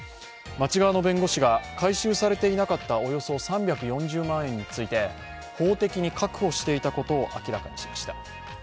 町側の弁護士が回収されていなかった、およそ３４０万円について法的に確保していたことを明らかにしました。